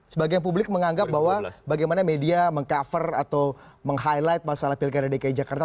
sebagai publik menganggap bahwa bagaimana media mengcover atau menghighlight masalah pilihan dki jakarta